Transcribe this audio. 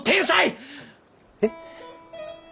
えっ？